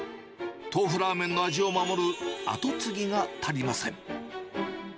トーフラーメンの味を守る後継ぎが足りません。